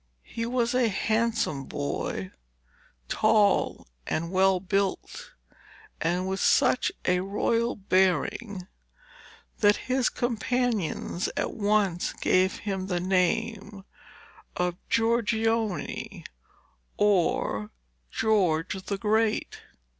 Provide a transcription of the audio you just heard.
He was a handsome boy, tall and well built, and with such a royal bearing that his companions at once gave him the name of Giorgione, or George the Great.